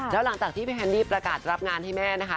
แล้วหลังจากที่พี่แคนดี้ประกาศรับงานให้แม่นะคะ